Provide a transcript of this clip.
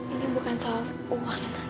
ini bukan soal uang tante